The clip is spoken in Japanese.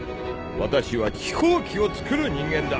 私は飛行機をつくる人間だ。